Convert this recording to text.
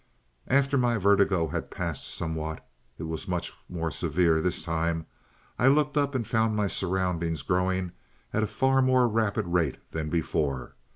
"After my vertigo had passed somewhat it was much more severe this time I looked up and found my surroundings growing at a far more rapid rate than before.